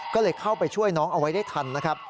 ก็เลยเข้าไปช่วยน้องเอาไว้ได้ทันนะครับ